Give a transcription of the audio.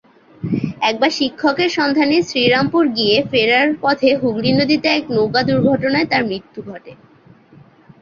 একবার শিক্ষকের সন্ধানে শ্রীরামপুর গিয়ে ফেরার পথে হুগলি নদীতে এক নৌকা-দুর্ঘটনায় তার মৃত্যু ঘটে।